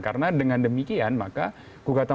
karena dengan demikian maka